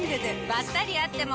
ばったり会っても。